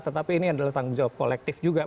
tetapi ini adalah tanggung jawab kolektif juga